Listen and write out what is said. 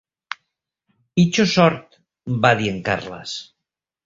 "Pitjor sort", va dir en Carles.